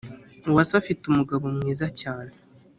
Uwase afite umugabo mwiza cyane